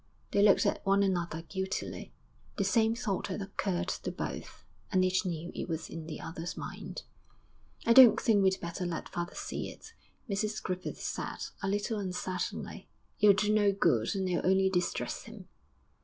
They looked at one another guiltily; the same thought had occurred to both, and each knew it was in the other's mind. 'I don't think we'd better let father see it,' Mrs Griffith said, a little uncertainly; 'it'll do no good and it'll only distress him.'